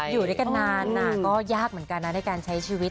อยู่ด้วยกันนานก็ยากเหมือนกันนะในการใช้ชีวิต